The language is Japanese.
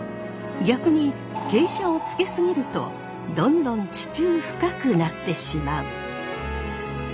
逆に傾斜をつけ過ぎるとどんどん地中深くなってしまう。